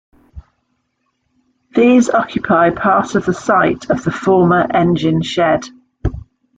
These occupy part of the site of the former engine shed.